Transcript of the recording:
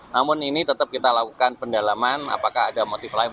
namun ini tetap kita lakukan pendalaman apakah ada motif lain